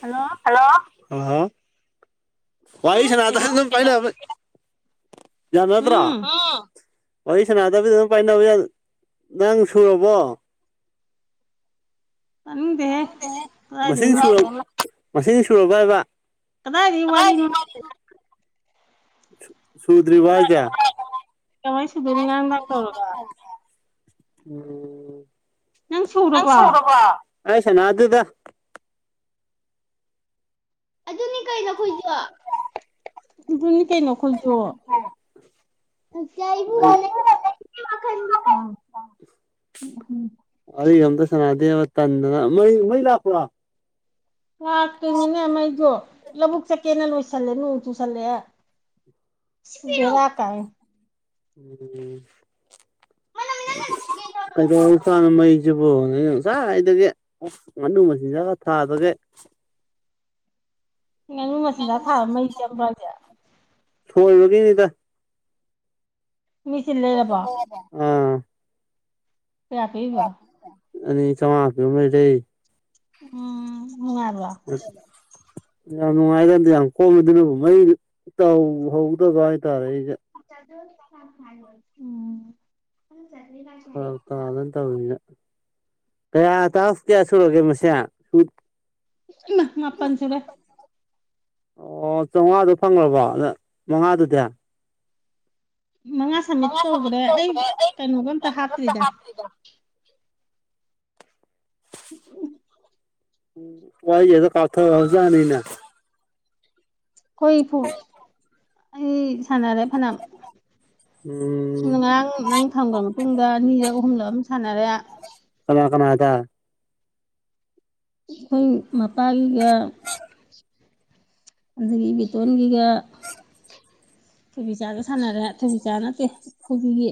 hello hello hello hello ꯋꯥꯔꯤ ꯀꯩꯗꯧ ꯁꯥꯅꯕꯗ [unintelligible] ꯌꯥꯅꯗ꯭ꯔꯥ ꯎꯝ ꯑꯥ ꯋꯥꯔꯤ ꯁꯥꯅꯥꯗꯕꯤꯗ ꯑꯗꯨꯝ ꯄꯥꯏꯅꯕꯌꯥ ꯅꯪ ꯁꯨꯔꯕꯣ ꯇꯥꯅꯤꯡꯗꯦꯍꯦ ꯃꯁꯤꯡ ꯀꯗꯥꯏꯗꯩꯅꯣ ꯁꯨꯔ ꯃꯁꯤꯡ ꯁꯨꯔꯕ ꯍꯥꯏꯕ ꯀꯗꯥꯢꯗꯩ ꯋꯥꯔꯤꯅꯣ ꯅ ꯁꯨ ꯁꯨꯗꯔꯤꯕꯣ ꯍꯥꯢꯖꯦ ꯀꯃꯥꯏ ꯁꯨꯗꯣꯏꯅꯣ ꯉꯔꯥꯡ ꯅꯨꯡꯗꯥꯡ ꯇꯧꯔꯒ ꯎ ꯅꯪ ꯁꯨꯔꯕꯣ ꯑꯩ ꯁꯥꯅꯗꯦꯗ ꯑꯗꯨꯅꯤ ꯀꯩꯅꯣ ꯑꯈꯣꯏꯖꯨ ꯑꯗꯨꯅꯤ ꯀꯩꯅꯣ ꯑꯈꯣꯏꯖꯨ ꯅꯥꯎꯆꯥ ꯏꯕꯨꯡꯉꯣ ꯅꯪ ꯋꯥꯈꯟꯗꯤ ꯂꯥꯡꯅꯣ ꯃꯤ ꯑꯍꯟꯅꯤ ꯋꯥꯔꯤꯒ ꯑꯝꯇ ꯁꯅꯥꯗꯦꯕ ꯇꯟꯗꯅ ꯃꯩ ꯃꯩ ꯂꯥꯛꯄ꯭ꯔꯣ ꯂꯥꯛꯇꯩꯅꯤꯅꯦ ꯃꯩꯖꯨ ꯂꯧꯕꯨꯛ ꯆꯠꯀꯦꯅ ꯂꯣꯏꯁꯜꯂꯦ ꯑꯗꯨ ꯅꯣꯡ ꯆꯨꯁꯜꯂꯛꯑꯦ [inaudible] ꯑꯁ ꯕꯦꯔꯥ ꯀꯥꯏꯌꯦ ꯀꯩꯗꯧꯔ ꯖꯥꯠꯅꯣ ꯃꯩꯁꯤꯕꯨꯅꯤ ꯉꯁꯥꯏꯗꯒꯤ ꯉꯥꯅꯨ ꯃꯆꯤꯟꯖꯥꯛꯀ ꯊꯥꯗꯒꯩ ꯉꯥꯅꯨ ꯃꯆꯤꯟꯖꯥꯛ ꯊꯥꯕ ꯃꯩ ꯆꯪꯕ꯭ꯔ ꯍꯥꯏꯖꯦ ꯁꯣꯏꯕꯒꯤꯅꯤꯗ ꯃꯤ ꯆꯤꯜ ꯂꯩꯔꯕꯣ ꯇꯥꯕ꯭ꯔ ꯎꯝ ꯀꯌꯥ ꯄꯤꯕ ꯑꯅꯤ ꯆꯧꯉꯥ ꯄꯤꯕ ꯂꯩ ꯎꯝ ꯅꯨꯡꯉꯥꯏꯕ꯭ꯔꯣ ꯌꯥꯝ ꯅꯨꯡꯉꯥꯏꯗ ꯌꯥꯝ ꯀꯣꯝꯉꯗꯅꯕꯨ ꯃꯩ ꯇꯧꯍꯧꯗꯕ ꯍꯥꯏ ꯇꯥꯔꯦꯕ ꯎꯝ [unintelligible] ꯀꯌꯥ ꯇꯥꯛꯁ ꯀꯌꯥ ꯁꯨꯔꯒꯦ ꯃꯁꯦꯡ ꯎ ꯃꯥꯄꯟ ꯁꯨꯔꯦ ꯑꯣ ꯆꯥꯎꯉꯥꯗꯣ ꯐꯪꯑꯕꯣ ꯅꯪ ꯃꯉꯥꯗꯨꯗꯤ ꯃꯉꯥ ꯁꯝꯃꯤꯠ ꯇꯧꯈ꯭ꯔꯦ ꯑꯩ ꯀꯩꯅꯣꯒ ꯑꯝꯇ ꯍꯥꯞꯇ꯭ꯔꯤꯗ [unintelligible] [unintelligible] ꯈꯣꯏ ꯐꯨ ꯑꯩ ꯁꯥꯟꯅꯔꯦ ꯐꯅꯥꯝ ꯎꯝ ꯁꯨꯝ ꯉꯔꯥꯡ ꯅꯪ ꯊꯝꯈ꯭ꯔ ꯃꯇꯨꯡꯗ ꯑꯅꯤꯔ ꯑꯍꯨꯝꯂ ꯑꯃ ꯁꯥꯟꯅꯔꯦ ꯀꯅꯥ ꯀꯅꯥꯗ ꯍꯨꯡ ꯃꯄꯥꯒꯤꯒ ꯑꯗꯒꯤ ꯕꯦꯇꯣꯟꯒꯤꯒ ꯊꯣꯏꯕꯤ ꯆꯥꯒ ꯁꯥꯟꯅꯔꯦ ꯊꯣꯏꯕꯤ ꯆꯥ ꯅꯠꯇꯦ ꯀꯣꯕꯤꯒꯤ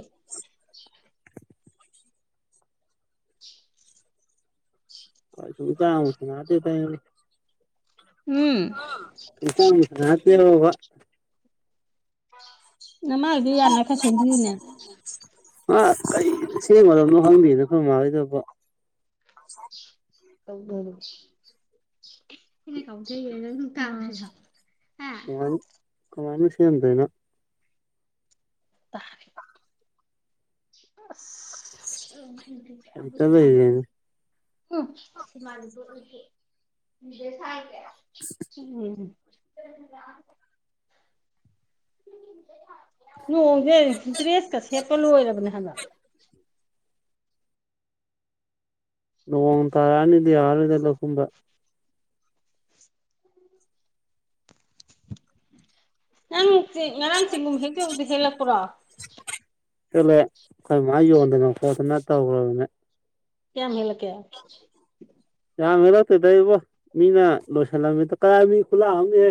[unintelligible] ꯎꯝ [unintelligible] ꯅꯃꯥꯏꯗꯨ ꯌꯥꯅ ꯈꯔ ꯁꯦꯝꯕꯤꯌꯨꯅꯦ [unintelligible] ꯑꯥ ꯀꯩ ꯁꯦꯝꯒꯗꯕꯅꯣ ꯈꯪꯗꯦꯗꯥ ꯈꯣꯏ ꯃꯒꯤꯗꯨꯕꯣ [unintelligible] ꯀꯃꯥꯏꯅ ꯀꯃꯥꯏꯅ ꯁꯦꯝꯗꯣꯏꯅꯣ ꯇꯥꯔꯦ ꯑꯁ ꯍꯩꯇ ꯂꯩꯔꯦꯅꯦ [unintelligible] [unintelligible] ꯎꯝ ꯅꯣꯡꯖꯦ ꯗ꯭ꯔꯦꯁꯀ ꯁꯦꯠꯄ ꯂꯣꯏꯔꯕꯅꯦ ꯍꯥꯏꯕ ꯅꯣꯡ ꯇꯥꯔꯛꯑꯅꯤꯗ ꯌꯥꯔꯔꯣꯏꯗ ꯂꯧ ꯀꯨꯝꯕ ꯅꯪ ꯉꯔꯥꯡ ꯆꯤꯡꯒꯨꯝ ꯍꯦꯛ ꯆꯠꯂꯨꯕꯗꯨ ꯍꯦꯜꯂꯛꯄ꯭ꯔꯣ ꯍꯦꯛꯂꯛꯑꯦ ꯑꯩꯈꯣꯏ ꯃꯥ ꯌꯣꯟꯗꯅ ꯈꯣꯠꯇꯅ ꯇꯧꯒ꯭ꯔꯕꯅꯦ ꯀꯌꯥꯝ ꯍꯦꯛꯂꯛ ꯀꯦ ꯌꯥꯝꯅ ꯍꯦꯛꯂꯛꯇꯦꯗ ꯏꯕꯣ ꯃꯤꯅ ꯂꯣꯏꯁꯤꯜꯂꯝꯃꯤꯗ ꯀꯗꯥꯥꯏ ꯃꯤ ꯈꯨꯌꯥꯝ ꯑꯃꯅꯦꯍꯦ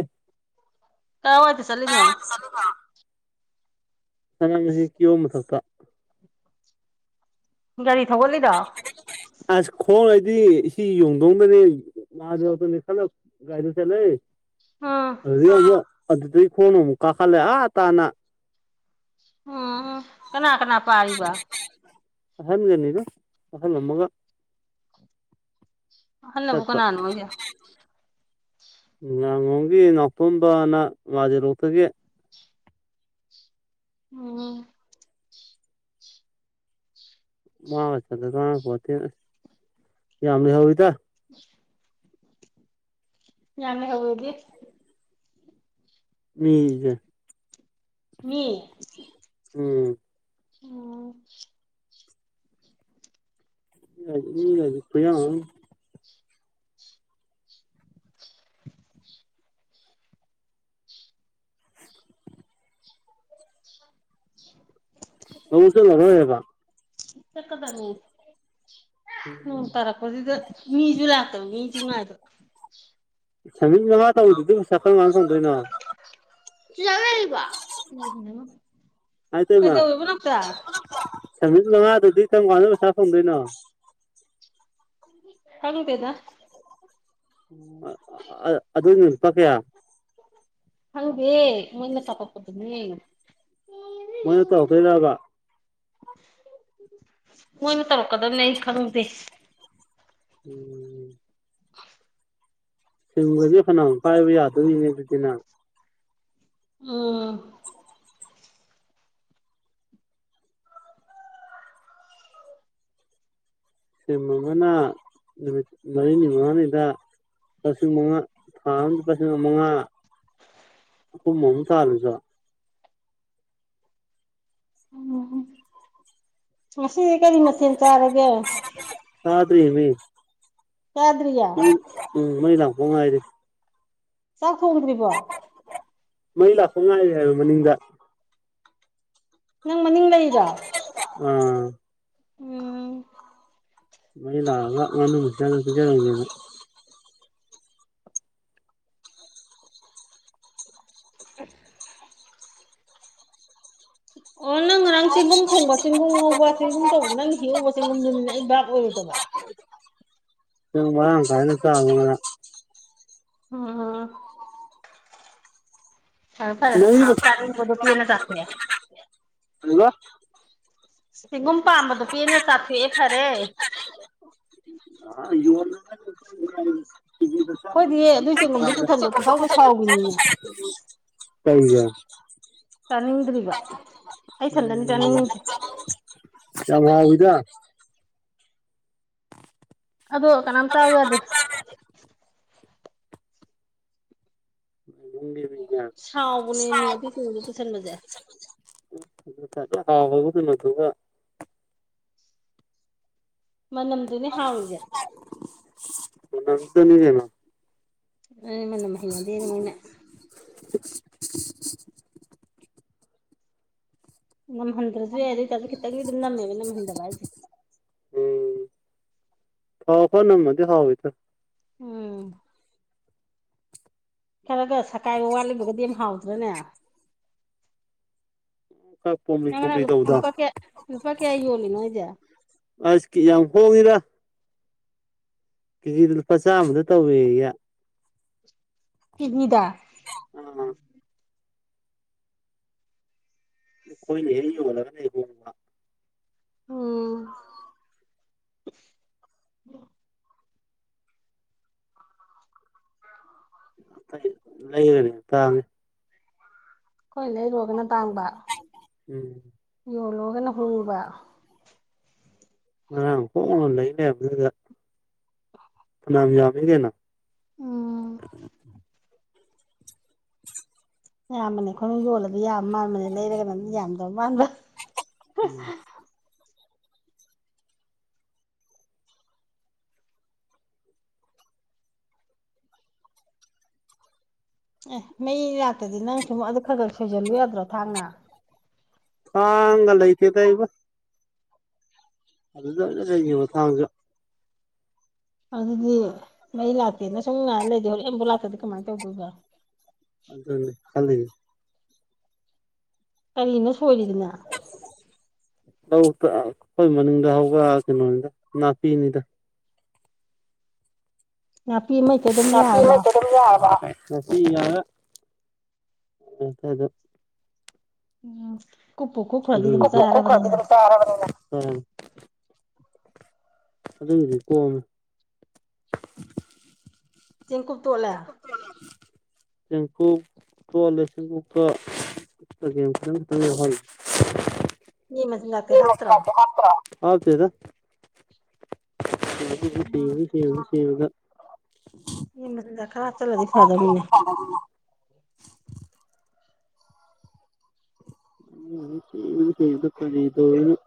ꯀꯥꯏ ꯋꯥꯏꯗ ꯆꯠꯂꯤꯅꯣ [unintelligible] ꯁꯅꯥꯃꯍꯤ ꯀꯤꯍꯣꯝ ꯃꯊꯛꯇ ꯒꯥꯔꯤ ꯊꯧꯒꯠꯂꯤꯔꯣ ꯑꯁ ꯈꯣꯡꯅꯗꯤ [unintelligible] ꯃꯥꯗꯣ ꯑꯩꯈꯣꯏ ꯅꯤ ꯄꯨꯂꯞ ꯒꯥꯔꯤꯗ ꯆꯠꯂꯦ ꯎꯝ ꯑꯗꯨꯗꯩ ꯑꯃꯨꯛ ꯑꯗꯨꯗꯩ ꯈꯣꯡꯅ ꯑꯃꯨꯛ ꯀꯥꯈꯠꯂꯦ ꯑꯥ ꯇꯥꯅ ꯎꯝ ꯎꯝ ꯀꯅꯥ ꯀꯅꯥ ꯄꯥꯔꯤꯕ ꯑꯍꯟꯒꯅꯤꯗ ꯑꯍꯟ ꯑꯃꯒ ꯑꯍꯜꯂꯕꯨ ꯆꯠꯄ ꯀꯅꯥꯅꯣ ꯍꯥꯏꯁꯦ ꯉꯥꯉꯣꯝꯒꯤ ꯅꯥꯎꯇꯣꯝꯕꯅ ꯉꯖꯦꯔꯣꯛꯇꯒꯤ ꯎꯝ ꯃꯒꯥ ꯆꯠꯂꯦ ꯀꯥꯟꯅ ꯄꯣꯟꯇꯦꯅ ꯌꯥꯝ ꯂꯩꯍꯧꯋꯤꯗꯥ [inaudible] ꯌꯥꯝ ꯂꯩꯍꯧꯑꯦꯗꯤ ꯃꯤꯁꯦ ꯃꯤ ꯎꯝ ꯑꯣ ꯃꯤꯒꯗꯤ ꯈꯨꯌꯥꯝ ꯑꯃ ꯂꯧꯕꯨꯛ ꯆꯠꯂꯔꯣꯢꯕ ꯆꯠꯀꯗꯕꯅꯤ ꯅꯣꯡ ꯇꯥꯔꯛ ꯄꯗꯨꯗ ꯃꯤꯁꯨ ꯂꯥꯛꯇꯕ ꯃꯤꯁꯨ ꯉꯥꯏꯕ ꯁꯃꯤꯠ ꯃꯉꯥ ꯇꯧꯕꯗꯨꯗꯤ ꯄꯩꯁꯥ ꯀꯔꯝꯒꯥꯟꯗ ꯊꯣꯡꯗꯣꯏꯅꯣ [unintelligible] ꯍꯥꯏꯇꯩꯃ ꯀꯩꯗꯧꯔꯤꯕ ꯅꯥꯎꯆꯥ ꯁꯃꯤꯠ ꯃꯉꯥꯗꯨꯗꯤ ꯀꯔꯝ ꯀꯥꯟꯗ ꯄꯩꯁꯥ ꯐꯪꯗꯣꯏꯅꯣ ꯈꯪꯗꯦꯗꯥ ꯑꯗꯨꯅ ꯂꯨꯄꯥ ꯀꯌꯥ ꯈꯪꯗꯦ ꯃꯣꯢꯅꯦ ꯀꯥꯞꯄꯥꯛꯄꯗꯨꯅꯦ ꯃꯣꯏꯅ ꯇꯧꯔꯛꯇꯣꯢꯔꯕ ꯃꯣꯏꯅ ꯇꯧꯔꯛꯀꯗꯝꯅꯦ ꯑꯩ ꯈꯪꯗꯦ ꯎꯝ [unintelligible] ꯐꯅꯌꯥꯝ ꯄꯥꯏꯕ ꯌꯥꯗꯧꯔꯤꯅꯦ ꯑꯗꯨꯗꯤ ꯅꯪ ꯑꯝ ꯁꯤꯝ ꯑꯃꯅ ꯅꯨꯃꯤꯠ ꯃꯔꯤꯅꯤ ꯃꯉꯥꯅꯤꯗ ꯂꯨꯄꯥ ꯂꯤꯁꯤꯡ ꯃꯉꯥ ꯊꯥ ꯑꯃꯗ ꯂꯨꯄꯥ ꯂꯤꯁꯤꯡ ꯃꯉꯥ ꯑꯍꯨꯝ ꯑꯍꯨꯝ ꯇꯥꯜꯂꯁꯨ ꯎꯝꯍꯨꯝ ꯉꯁꯤꯗꯤ ꯀꯔꯤ ꯃꯊꯦꯟ ꯆꯥꯔꯒꯦ ꯆꯥꯗ꯭ꯔꯤ ꯃꯤ ꯆꯥꯗ꯭ꯔꯤꯌꯦ ꯎꯝ ꯃꯩ ꯂꯥꯛꯄꯥꯎ ꯉꯥꯏꯔꯤ ꯆꯥꯛ ꯊꯣꯡꯗ꯭ꯔꯤꯕꯣ ꯃꯩ ꯂꯥꯛꯄ ꯉꯥꯏꯔꯤ ꯍꯥꯏꯕ ꯃꯅꯤꯡꯗ ꯅꯪ ꯃꯅꯤꯡ ꯂꯩꯔꯣ ꯑꯥ ꯎꯝ ꯃꯤ ꯂꯥꯛꯑꯒ ꯉꯥꯅꯨ ꯃꯆꯤꯟꯖꯥꯛ ꯑꯝ ꯄꯤꯖꯔꯝꯒꯤꯒꯦ [inaudible] ꯑꯣ ꯅꯪ ꯉꯔꯥꯡ ꯆꯦꯡꯒꯨꯝ ꯊꯣꯡꯕ ꯆꯦꯡꯒꯨꯝ ꯉꯧꯕ ꯆꯦꯡꯒꯨꯝ ꯇꯧꯕꯗꯨ ꯅꯪ ꯍꯦꯛꯎꯕ ꯆꯦꯡꯒꯨꯝꯗꯨꯅꯤꯅꯦ ꯑꯩ ꯚꯥꯞ ꯑꯣꯏꯔꯨꯗꯕ ꯅꯪ ꯃꯔꯥꯡ ꯀꯥꯢꯅ ꯆꯥꯕꯌꯨ ꯉꯔꯥꯡ ꯎꯝ ꯐꯔꯦ ꯐꯔꯦ ꯅꯪꯒꯤ ꯄꯩꯁꯥ ꯇꯥꯠꯅꯤꯡꯕꯗꯣ ꯄꯦꯟꯅ ꯆꯥꯊꯣꯛꯑꯦ ꯀꯔꯤꯕ ꯆꯦꯡꯒꯨꯝ ꯄꯥꯝꯕꯗꯣ ꯄꯦꯟꯅ ꯆꯥꯊꯣꯛꯑꯦ ꯐꯔꯦ ꯑꯥ ꯌꯣꯟꯅꯕꯅꯤ [unintelligible] ꯑꯩꯈꯣꯏꯗꯤ ꯑꯗꯨꯏ ꯆꯦꯡꯒꯨꯝꯗꯣ ꯄꯨꯁꯟꯕ ꯄꯨꯡꯁꯥꯎꯗ ꯁꯥꯎꯈꯤꯅꯤꯅꯦ [unintelligible] ꯄꯩꯕꯅꯦ ꯇꯥꯅꯤꯡꯗ꯭ꯔꯤꯕ ꯎꯝ ꯌꯥꯝ ꯉꯥꯡꯉꯤꯗ ꯑꯗꯣ ꯀꯅꯥꯝ ꯆꯥꯎ ꯌꯥꯗꯦ ꯏꯃꯨꯡꯒꯤ ꯃꯤꯅ ꯁꯥꯎꯕꯅꯦ ꯃꯤ ꯑꯗꯨꯏ ꯁꯤꯡꯗꯣ ꯄꯨꯁꯟꯕꯖꯦ [unintelligible] ꯇꯨꯒ ꯃꯅꯝꯗꯨꯅꯦ ꯍꯥꯎꯔꯤꯖꯦ [unintelligible] ꯅꯦꯃꯥ ꯑꯩ ꯃꯅꯝ ꯍꯩꯩꯅꯗꯦꯅ ꯃꯣꯏꯅ ꯅꯝꯍꯟꯗ꯭ꯔꯖꯨ ꯌꯥꯏ ꯑꯗꯨ ꯑꯣꯏꯇꯥꯥꯔꯖꯨ ꯈꯤꯇꯪꯗꯤ ꯑꯗꯨꯝ ꯅꯝꯃꯦꯕ ꯅꯝꯍꯟꯗꯕ ꯍꯥꯏꯖꯦ ꯎꯝ ꯊꯥꯎ ꯈꯔ ꯅꯝꯃꯗꯤ ꯍꯥꯎꯋꯤꯗ ꯎꯝ ꯈꯔ ꯒ ꯁꯥꯠꯀꯥꯏꯕ ꯋꯥꯠꯂꯒꯕꯨꯗꯤ ꯑꯌꯨꯝ ꯍꯥꯎꯇ꯭ꯔꯥꯅꯦ ꯈꯔ ꯄꯣꯝꯂꯤ ꯅꯪ ꯉꯔꯥꯡ ꯄꯣꯝꯂꯤ ꯂꯨꯞ ꯇꯧꯕꯗꯣ ꯂꯨꯄꯥ ꯀꯌꯥ ꯂꯨꯄꯥ ꯀꯌꯥ ꯌꯣꯜꯂꯤꯅꯣ ꯍꯥꯏꯖꯦ ꯑꯁ ꯀ꯭ꯌꯥꯝ ꯍꯣꯡꯉꯤꯗꯥ ꯀꯦꯖꯤꯗ ꯂꯨꯄꯥ ꯆꯥꯝꯃꯗ ꯇꯧꯋꯦꯌꯦ ꯄꯤꯛꯅꯤꯗꯥ ꯑꯈꯣꯏꯅ ꯍꯦꯛ ꯌꯣꯜꯂꯒꯅ ꯍꯦꯛ ꯍꯣꯡꯉꯤ ꯑꯥ ꯑꯈꯣꯏꯅ ꯂꯩꯔꯅꯦ ꯇꯥꯡꯉꯦ ꯑꯩꯈꯣꯏꯅ ꯂꯩꯔꯨꯔꯒꯅ ꯇꯥꯡꯕ ꯎꯝ ꯌꯣꯜꯂꯨꯔꯒꯅ ꯍꯣꯡꯕ ꯉꯔꯥꯡ ꯍꯣꯡꯉ ꯂꯩ ꯂꯩꯔꯝꯕꯗꯨꯗ ꯐꯅꯥꯝ ꯌꯥꯝꯃꯤꯅꯦ ꯅꯪ ꯎꯝ ꯌꯥꯝꯕꯅꯦ ꯑꯩꯈꯣꯏꯅ ꯌꯣꯜꯂꯗꯤ ꯌꯥꯝ ꯃꯥꯟꯕꯅꯦ ꯂꯩꯔꯒꯅ ꯌꯥꯝꯗꯕ ꯃꯥꯟꯕ ꯎꯝ ꯑꯦ ꯃꯩ ꯂꯥꯛꯇꯗꯤ ꯅꯪ ꯁꯨꯝ ꯑꯗꯨ ꯈꯥꯒꯥ ꯁꯣꯏꯖꯜꯂꯨ ꯌꯥꯗ꯭ꯔꯣ ꯊꯥꯡꯅ ꯀꯥꯡꯒ ꯂꯩꯇꯦꯗ ꯏꯈꯣꯏ ꯑꯗꯨꯗ ꯂꯩꯅꯤꯕ ꯊꯥꯡꯁꯨ ꯑꯗꯨꯗꯤ ꯃꯩ ꯂꯥꯛꯇꯦꯅ ꯁꯨꯝ ꯉꯥꯏ ꯂꯩꯗꯦ ꯍꯣꯔꯦꯟꯕꯨ ꯂꯥꯛꯇꯗꯤ ꯀꯃꯥꯏꯅ ꯇꯧꯗꯣꯏꯕ ꯑꯗꯨꯅꯦ ꯈꯜꯂꯤꯖꯤ ꯀꯔꯤꯅꯣ ꯁꯣꯏꯔꯤꯗꯨꯅ [unintelligible] ꯑꯩꯈꯣꯏ ꯃꯅꯤꯡꯗ ꯍꯧꯕ ꯀꯩꯅꯣꯅꯤꯗ ꯅꯥꯄꯤꯅꯤꯗ ꯅꯥꯄꯤ ꯑꯃꯍꯦꯛꯇ ꯑꯗꯨꯝ ꯅꯥꯄꯤ ꯌꯥꯔꯕꯣ ꯅꯠꯇꯕ ꯌꯥꯔ [unintelligible] ꯅꯨꯄꯤꯅ ꯗꯣꯛꯇꯔꯗ ꯎꯝ ꯀꯨꯄꯨ ꯀꯨꯞꯈ꯭ꯔꯗꯤ ꯑꯗꯨꯝ ꯑꯗꯨꯒꯤꯗꯤ ꯆꯥꯔꯕꯅꯤꯅ ꯑꯗꯨꯏꯗꯤ ꯀꯣꯝꯃꯦ ꯆꯤꯡꯀꯨꯞ ꯇꯣꯠꯂꯦ ꯆꯦꯡꯀꯨꯞ ꯀꯣꯂ ꯆꯦꯡꯀꯨꯞꯇ ꯆꯒꯦꯝ ꯈꯔꯝꯇꯪ ꯌꯥꯎꯍꯜꯂꯦ ꯌꯦꯟ ꯃꯆꯤꯟꯖꯥꯛ ꯇꯤ ꯍꯥꯞꯇ꯭ꯔꯣ ꯍꯥꯞꯇ꯭ꯔꯣ ꯍꯥꯞꯇꯦꯗ [unintelligible] ꯌꯦꯟ ꯃꯆꯤꯟꯖꯥꯛ ꯈꯔ ꯍꯥꯞꯆꯜꯂꯗꯤ ꯐꯥꯗꯝꯅꯤꯅꯦ [unintelligible] [unintelligible]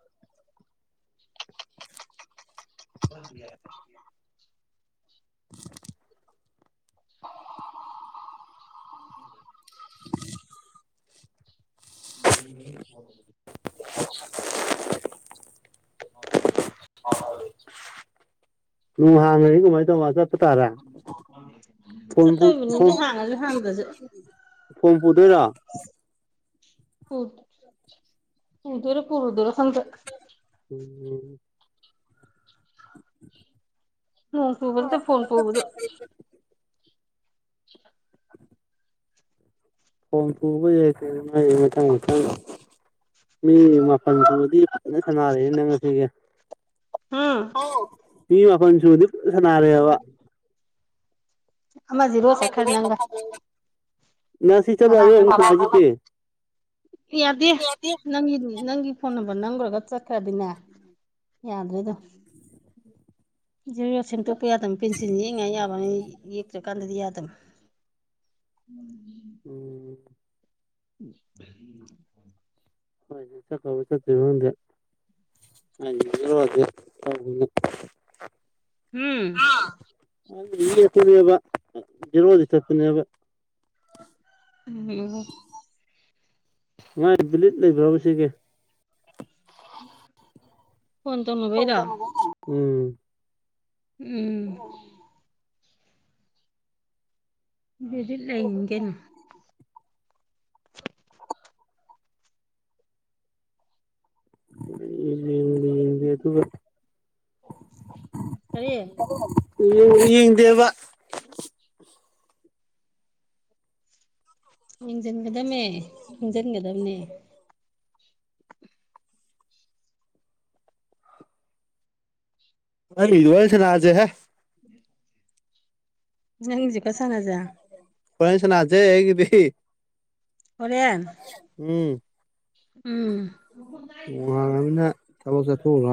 [unintelligible] ꯈꯔꯕꯨꯗꯤ ꯌꯥꯏ [inaudible] [unintelligible] [inaudible] ꯌꯦꯡꯕꯅꯤ [unintelligible] [unintelligible] ꯍꯣꯢ ꯍꯣꯢ [unintelligible] ꯍꯣꯢ ꯍꯣꯢ ꯉꯍꯥꯟ ꯂꯣꯏꯔꯗꯤ ꯀꯃꯥꯏ ꯇꯧ ꯋꯥꯆꯞ ꯄꯨꯡ ꯀꯌꯥꯗꯥ ꯆꯠꯇꯣꯏꯕꯅꯤꯅꯦ ꯍꯥꯡꯉꯁꯨ ꯍꯥꯡꯗ꯭ꯔꯁꯨ [unintelligible] ꯐꯣꯟ ꯄꯨꯗꯣꯏꯔꯣ ꯄꯨ ꯄꯨꯗꯣꯢꯔ ꯄꯨꯔꯣꯢꯗꯨꯔ ꯈꯪꯗꯦ ꯎꯝ ꯂꯥꯛꯈ꯭ꯔꯕꯖꯤꯗ ꯐꯣꯟ ꯄꯨꯕꯗꯨ ꯐꯣꯟ ꯄꯨꯕ ꯌꯥꯏ ꯀꯩꯅꯣ [unintelligible] ꯃꯊꯪ ꯃꯊꯪ ꯃꯤ ꯃꯥꯄꯜ ꯁꯨꯔꯗꯤ ꯐꯖꯅ ꯁꯥꯟꯅꯔꯦ ꯅꯪ ꯉꯁꯤꯒꯤ ꯎꯝ [unintelligible] ꯃꯤ ꯃꯥꯄꯟ ꯁꯨꯔꯗꯤ ꯐꯖꯅ ꯁꯥꯅꯔꯦꯕ ꯑꯃ ꯖꯤꯔꯣ ꯆꯠꯈ꯭ꯔꯦ ꯅꯪꯒ [unintelligible] ꯉꯁꯤ ꯊꯕꯛ ꯉꯔꯥꯡ ꯅꯪꯅ [unintelligible] ꯌꯥꯗꯦ ꯅꯪꯒꯤ ꯅꯪꯒꯤ ꯐꯣꯟ ꯅꯝꯕꯔ ꯅꯝꯒ꯭ꯔꯒ ꯆꯠꯇ꯭ꯔꯗꯤꯅꯦ ꯌꯥꯗꯦꯗ [unintelligible] ꯁꯦꯝꯗꯣꯛꯄ ꯌꯥꯗꯝ ꯄꯦꯟꯁꯤꯜ ꯌꯦꯛꯏꯉꯥꯏ ꯌꯥꯕꯋꯥꯟ ꯌꯦꯛꯇ꯭ꯔꯀꯥꯟꯗꯗꯤ ꯌꯥꯗꯝ ꯎꯝ ꯎꯝ ꯎꯝ [unintelligible] ꯍꯣꯏꯅꯦ ꯆꯠꯈ꯭ꯔꯕ ꯆꯠꯇ꯭ꯔꯤꯕ ꯈꯪꯗꯦ ꯈꯪꯗꯦꯗ [unintelligible] ꯇꯧꯒꯅꯨ ꯍꯝ ꯑꯩꯅꯥ ꯌꯦꯛꯄꯅꯦꯕ ꯖꯦꯔꯣꯗꯤ ꯆꯠꯄꯅꯦꯕ ꯎꯝ ꯉꯥꯏ ꯕꯤꯂꯤꯠ ꯂꯩꯕ꯭ꯔꯕ ꯁꯤꯒꯦ [inaudible] [inaudible] ꯐꯣꯟ ꯇꯧꯅꯕꯩꯔꯣ ꯎꯝ ꯎꯝ ꯗꯤꯖꯤꯠ ꯂꯩꯅꯤ ꯀꯩꯅꯣ ꯃꯨꯟꯅ ꯌꯦꯡꯕꯨ ꯌꯦꯡꯉꯨꯗꯦ ꯑꯗꯨꯒ ꯀꯔꯤ ꯌꯦꯡꯕꯨ ꯌꯦꯡꯗꯦꯕ ꯌꯦꯡꯖꯟꯒꯗꯝꯅꯦ ꯈꯪꯖꯤꯟꯒꯗꯝꯅꯦ ꯑꯩꯒꯤꯗꯣ ꯍꯣꯔꯦꯟ ꯁꯥꯟꯅꯖꯦꯍꯦ ꯅꯪꯒꯤꯖꯨ ꯈꯔꯥ ꯁꯥꯟꯅꯖꯦ ꯍꯣꯔꯦꯟ ꯁꯥ ꯑꯩꯒꯤꯗꯤ ꯍꯣꯔꯦꯟ ꯎꯝ ꯎꯝ ꯋꯥꯡꯕꯅꯤꯅ ꯊꯕꯛ ꯆꯠꯊꯣꯛꯎꯔꯣ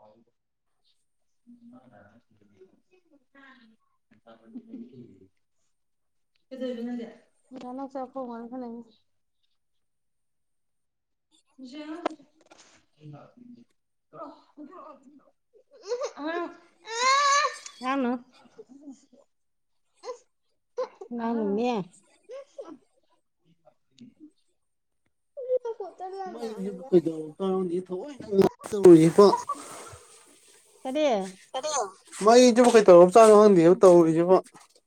[unintelligible] [inaudible] ꯀꯩꯗꯧꯔꯤꯕ ꯅꯪꯗꯤ ꯅꯪ ꯆꯪꯉꯛꯄꯒ ꯋꯥ ꯉꯡꯁꯤꯜꯂꯛꯏꯅꯣ ꯆꯦꯔꯪꯗꯣ ꯑꯩ ꯂꯥꯛꯇꯣꯢꯅꯦ ꯄꯨꯔꯛꯑꯣ ꯄꯨꯊꯣꯔꯛꯑꯣ ꯑꯉꯥꯡ ꯂꯥꯡꯅꯣ ꯉꯥꯡꯅꯨꯅꯦ ꯃꯩꯁꯤꯕꯨ ꯀꯩꯗꯧ ꯀꯥꯡꯒꯤ ꯊꯑꯣꯏꯅ ꯉꯥꯛ ꯇꯧꯔꯤꯁꯤꯕꯨ ꯑꯦ ꯑꯗꯣ ꯃꯩꯁꯤꯕꯨ ꯀꯩꯗꯧꯔ ꯆꯥꯠꯅꯣ ꯀꯪꯗꯦꯕꯣ ꯇꯧꯔꯤꯁꯤꯕꯨ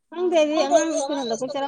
ꯈꯪꯗꯦ ꯑꯩꯗꯤ ꯑꯉꯥꯡ ꯊꯥꯗꯣꯢꯅꯦ ꯁ꯭ꯀꯨꯜ ꯑꯉꯥꯡꯒꯤ ꯍꯜꯂꯛꯄꯩ ꯆꯔꯥ ꯁ꯭ꯀꯨꯜꯒꯤ